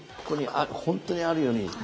ここに本当にあるように。